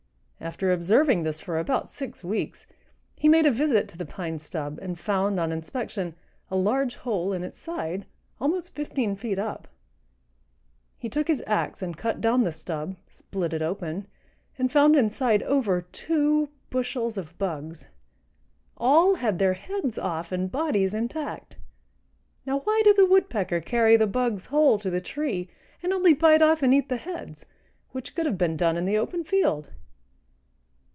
After observing this for about six weeks, he made a visit to the pine stub, and found, on inspection, a large hole in its side, almost fifteen feet up. He took his ax and cut down the stub, split it open, and found inside over two bushels of bugs. All had their heads off and bodies intact. Now, why did the Woodpecker carry the bugs whole to the tree and only bite off and eat the heads, which could have been done in the open field?"